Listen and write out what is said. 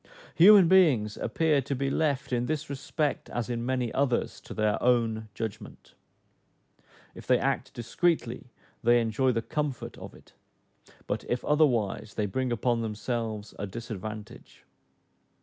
Human beings appear to be left in this respect, as in many others, to their own judgment. If they act discreetly, they enjoy the comfort of it; but if otherwise, they bring upon themselves a disadvantage.